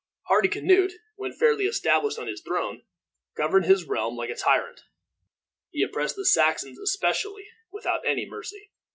Hardicanute, when fairly established on his throne, governed his realm like a tyrant. He oppressed the Saxons especially without any mercy.